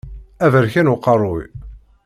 Aberkan uqerruy.